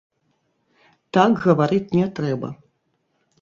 Так гаварыць не трэба!